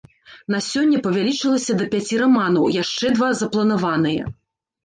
На сёння павялічылася да пяці раманаў, яшчэ два запланаваныя.